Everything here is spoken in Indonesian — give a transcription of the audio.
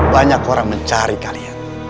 banyak orang mencari kalian